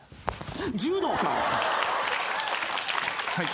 柔道かい。